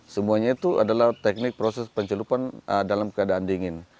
semuanya itu adalah teknik proses pencelupan dalam keadaan dingin